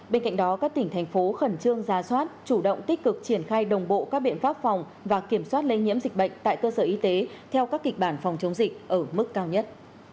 bên cạnh đó các tỉnh thành phố khẩn trương ra soát chủ động tích cực triển khai đồng bộ các biện pháp phòng và kiểm soát lây nhiễm dịch bệnh tại cơ sở y tế theo các kịch bản phòng chống dịch ở mức cao nhất